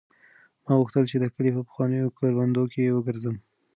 ما غوښتل چې د کلي په پخوانیو کروندو کې وګرځم.